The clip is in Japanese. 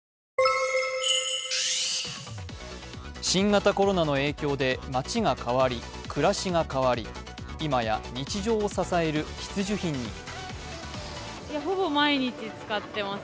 新型コロナの影響で街が変わり暮らしが変わり、今や日常を支える必需品に。